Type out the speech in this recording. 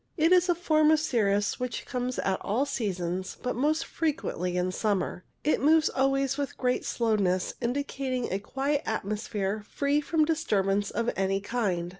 It is a form of cirrus which comes at all seasons, but most frequently in summer ; it moves always with great slowness, indicating a quiet atmosphere free from disturbance of any kind.